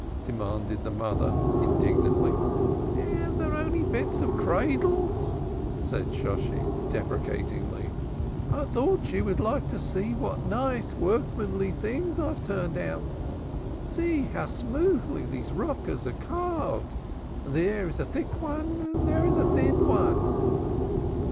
demanded the mother indignantly. "They are only bits of cradles," said Shosshi deprecatingly. "I thought she would like to see what nice workmanly things I turned out. See how smoothly these rockers are carved! There is a thick one, and there is a thin one!"